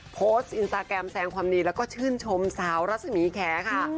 โพสต์อินสตาแกรมแสงความดีแล้วก็ชื่นชมสาวรัศมีแขค่ะ